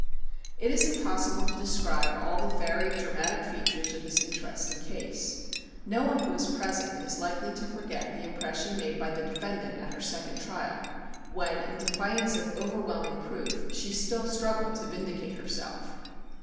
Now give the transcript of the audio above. It is impossible to describe all the varied dramatic features of this interesting case. No one who was present is likely to forget the impression made by the defendant at her second trial, when in defiance of overwhelming proof she still struggled to vindicate herself.